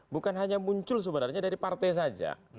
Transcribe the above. bukan hanya muncul sebenarnya dari partai saja